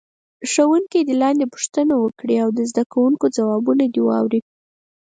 ښوونکی دې لاندې پوښتنه وکړي او د زده کوونکو ځوابونه واوري.